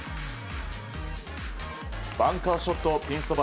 バンカーショットをピンそば